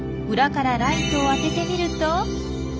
裏からライトを当ててみると。